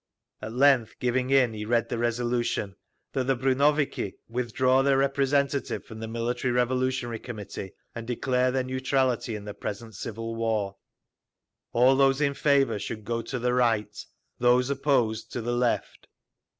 At length, giving in, he read the resolution: that the brunnoviki withdraw their representative from the Military Revolutionary Committee, and declare their neutrality in the present civil war. All those in favour should go to the right; those opposed, to the left.